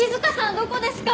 どこですか？